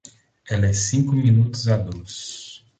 Ela é cinco minutos a dois.